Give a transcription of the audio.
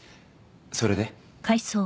それで？